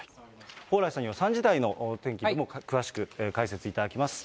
蓬莱さんには３時台の天気でも、詳しく解説いただきます。